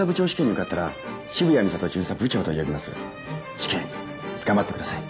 試験頑張ってください。